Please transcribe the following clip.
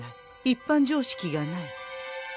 一般常識がない。